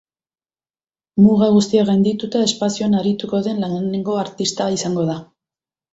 Muga guztiak gaindituta, espazioan arituko den lehenengo artista izango da.